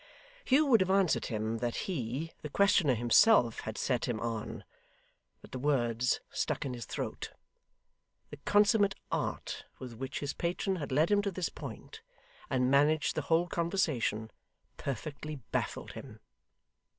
Hugh would have answered him that he, the questioner himself had set him on, but the words stuck in his throat. The consummate art with which his patron had led him to this point, and managed the whole conversation, perfectly baffled him.